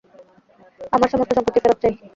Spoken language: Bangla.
আমার সমস্ত সম্পত্তি ফেরত চাই!